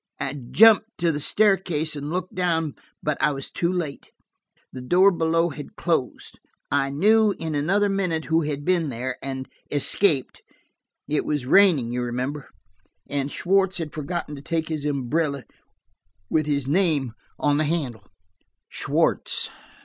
I jumped to the staircase and looked down, but I was too late. The door below had closed. I knew in another minute who had been there, and escaped. It was raining, you remember, and Schwartz had forgotten to take his umbrella with his name on the handle!" "Schwartz!"